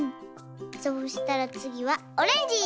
そうしたらつぎはオレンジ！